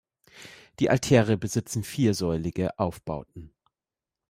Die Altäre besitzen viersäulige Aufbauten.